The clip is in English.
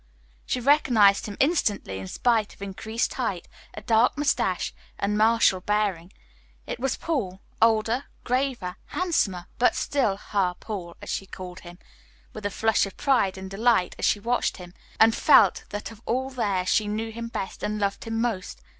She recognized him instantly, in spite of increased height, a dark moustache, and martial bearing. It was Paul, older, graver, handsomer, but still "her Paul," as she called him, with a flush of pride and delight as she watched him, and felt that of all there she knew him best and loved him most.